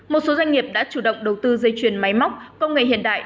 một số doanh nghiệp đã chủ động đầu tư dây chuyền máy móc công nghệ hiện đại